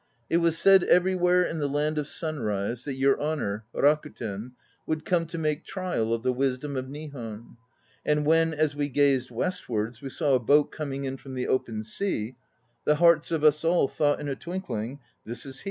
It was said everywhere in the Land of Sunrise that your Honour, Rakuten, would come to make trial of the wisdom of Nihon. And when, as we gazed westwards, we saw a boat coming in from the open sea, the hearts of us all thought in a twinkling, 'This is he."